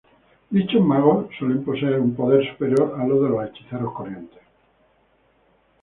Dichos magos suelen poseer un poder superior a los de los hechiceros corrientes.